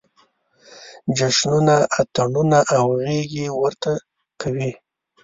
جشنونه، اتڼونه او غېږې ورته کوي.